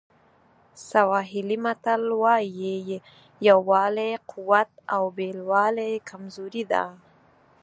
سواهیلي متل وایي یووالی قوت او بېلوالی کمزوري ده.